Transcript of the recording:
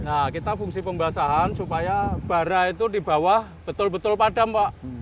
nah kita fungsi pembasahan supaya bara itu di bawah betul betul padam pak